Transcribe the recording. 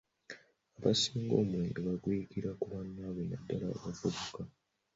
Abasinga omwenge baguyigira ku bannaabwe naddala abavubuka.